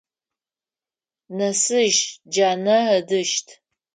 Нэсыж джанэ ыдыщт.